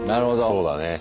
そうだね。